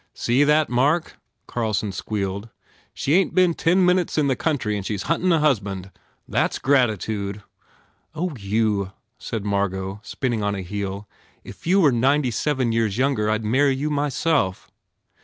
"See that, Mark?" Carlson squealed, "She ain t been ten minutes in the country and she s huntin a husband? That s gratitude!" "Oh, you," said Margot, spinning on a heel, "If you were ninety seven years younger I d marry you myself."